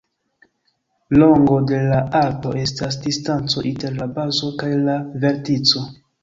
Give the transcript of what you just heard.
Longo de la alto estas distanco inter la bazo kaj la vertico.